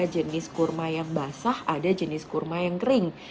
jenis kurma yang basah ada jenis kurma yang kering